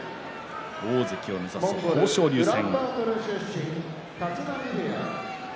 大関を目指す豊昇龍戦。